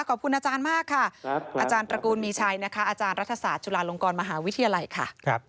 ขอบคุณอาจารย์มากค่ะอาจารย์ตระกูลมีชัยนะคะอาจารย์รัฐศาสตร์จุฬาลงกรมหาวิทยาลัยค่ะ